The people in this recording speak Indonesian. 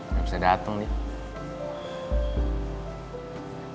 gak bisa dateng nih